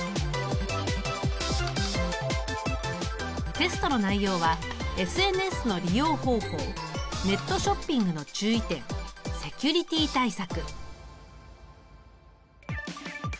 テストの内容はＳＮＳの利用方法ネットショッピングの注意点セキュリティ対策。